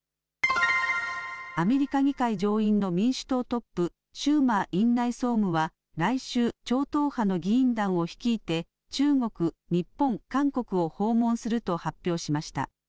アメリカ議会上院の民主党トップシューマー院内総務は来週超党派の議員団を率いて中国、日本、韓国を訪問すると発表しました。